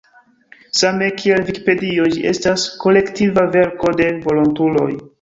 Same kiel Vikipedio, ĝi estas kolektiva verko de volontuloj.